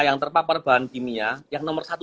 yang terpapar bahan kimia yang nomor satu